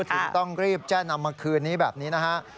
ถึงต้องรีบแจ้งนำมาคืนนี้แบบนี้นะฮะ